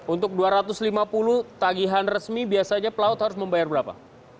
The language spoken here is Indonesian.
untuk dua ratus lima puluh tagihan resmi biasanya pelaut harus membayar berapa